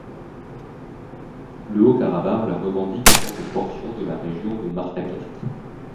Le Haut-Karabagh la revendique en tant que portion de la région de Martakert.